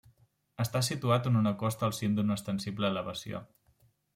Està situat en una costa al cim d'una ostensible elevació.